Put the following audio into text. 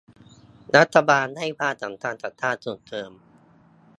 รัฐบาลให้ความสำคัญกับการส่งเสริม